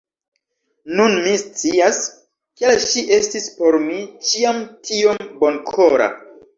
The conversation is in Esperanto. Nun mi scias, kial ŝi estis por mi ĉiam tiom bonkora.